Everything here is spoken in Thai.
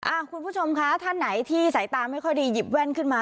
คุณผู้ชมคะท่านไหนที่สายตาไม่ค่อยดีหยิบแว่นขึ้นมา